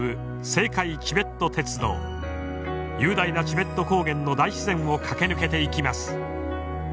雄大なチベット高原の大自然を駆け抜けていきます。